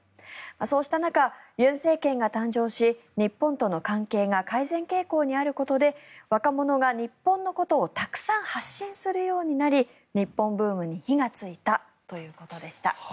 そうした中、尹政権が誕生し日本との関係が改善傾向にあることで若者が日本のことをたくさん発信するようになり日本ブームに火がついたということでした。